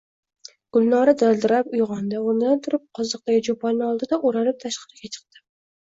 Gulnora dildirab uygʼondi. Oʼrnidan turib, qoziqdagi choponni oldida, oʼralib tashqariga chiqdi.